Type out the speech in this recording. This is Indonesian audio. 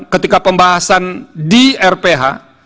ketika pembahasan di rph